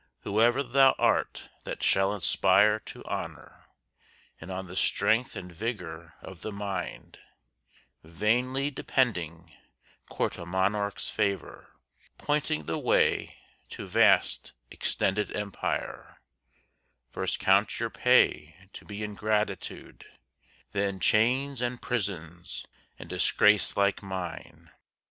Whoe'er thou art that shalt aspire to honor, And on the strength and vigor of the mind Vainly depending, court a monarch's favor, Pointing the way to vast extended empire; First count your pay to be ingratitude, Then chains and prisons, and disgrace like mine!